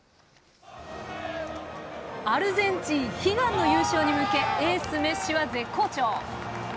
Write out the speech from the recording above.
アルゼンチン悲願の優勝に向けエース、メッシは絶好調。